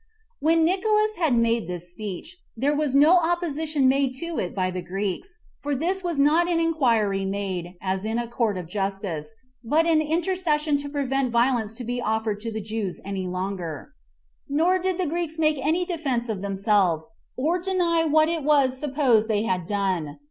4. When Nicolaus had made this speech, there was no opposition made to it by the Greeks, for this was not an inquiry made, as in a court of justice, but an intercession to prevent violence to be offered to the Jews any longer; nor did the Greeks make any defense of themselves, or deny what it was supposed they had done.